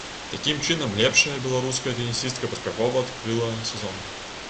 Такім чынам лепшая беларуская тэнісістка паспяхова адкрыла сезон.